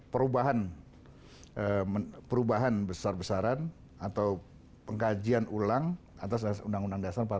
perubahan perubahan besar besaran atau pengkajian ulang atas undang undang dasar empat puluh lima